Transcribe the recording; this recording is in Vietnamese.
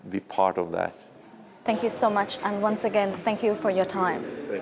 vừa rồi là những chia sẻ của vị khách mời tuần này